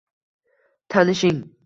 Tanishing